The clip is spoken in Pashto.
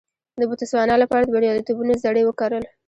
د بوتسوانا لپاره د بریالیتوبونو زړي وکرل.